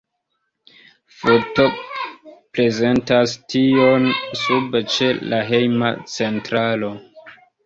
Foto prezentas tion sube ĉe la hejma centralo.